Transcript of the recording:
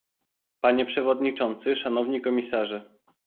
Panie przewodniczący, szanowni komisarze